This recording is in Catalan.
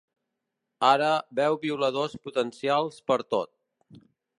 Ara veu violadors potencials pertot.